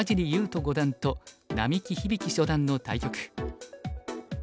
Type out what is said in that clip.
人五段と並木響初段の対局。